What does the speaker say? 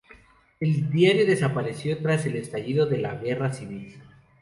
El diario desapareció tras el estallido de la Guerra civil.